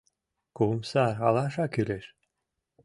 Кум сар алаша кӱлеш.